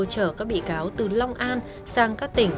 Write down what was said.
chở các bị cáo từ long an sang các tỉnh